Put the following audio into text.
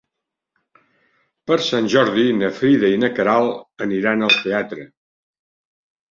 Per Sant Jordi na Frida i na Queralt aniran al teatre.